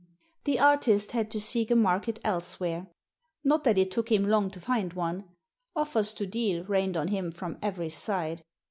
The artist had to seek a market elsewhere. Not that it took him long to find one— offers to deal rained on him from every side.